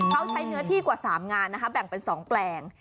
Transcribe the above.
เขาใช้เนื้อที่กว่า๓งานนะคะแบ่งเป็น๒แปลง